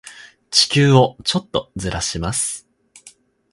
地球をちょっとずらします。